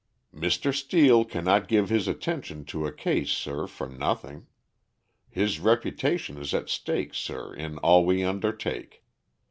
"Mr. Steel can not give his attention to a case, sir, for nothing. His reputation is at stake, sir, in all we undertake.